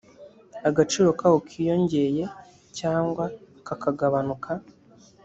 agaciro kawo kiyongeye cyangwa kakagabanuka